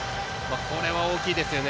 これは大きいですね。